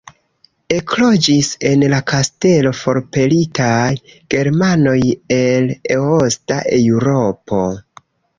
Ekloĝis en la kastelo forpelitaj germanoj el Eosta Eŭropo.